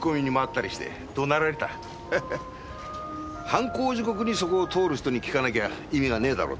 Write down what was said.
「犯行時刻にそこを通る人に聞かなきゃ意味がねえだろ」